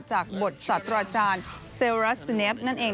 จากบทสัตว์อาจารย์เซลรัสสเนฟนั่นเอง